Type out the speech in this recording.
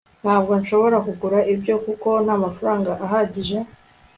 ntabwo nshobora kugura ibyo, kuko ntamafaranga ahagije